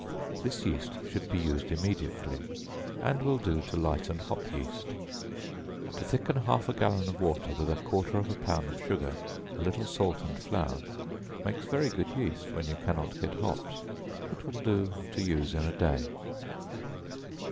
This yeast should be used immediately, and will do to lighten hop yeast. To thicken half a gallon of water with a quarter of a pound of sugar, a little salt and flour, makes very good yeast when you cannot get hops. It will do to use in a day.